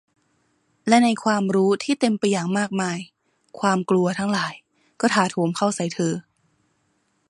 และในความรู้ที่เต็มไปอย่างมากมาย ความกลัวทั้งหลายก็ถาโถมเข้าใส่เธอ